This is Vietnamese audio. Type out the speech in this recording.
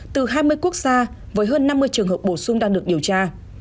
từ hai mươi quốc gia với hơn năm mươi trường hợp bổ sung đang được điều tra